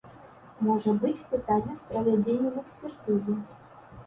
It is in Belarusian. Можа быць пытанне з правядзеннем экспертызы.